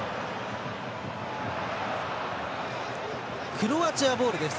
クロアチアボールです。